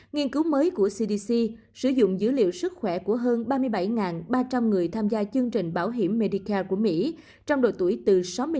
nghiên cứu mới của cdc sử dụng dữ liệu sức khỏe của hơn ba mươi bảy ba trăm linh người tham gia chương trình bảo hiểm medica của mỹ trong độ tuổi từ sáu mươi năm